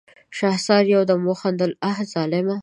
شهسوار يودم وخندل: اه ظالمه!